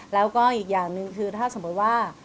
แล้วก็อีกอย่างหนึ่งคือถ้าสมมติว่า